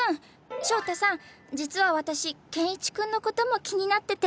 翔太さん実は私ケンイチ君のことも気になってて。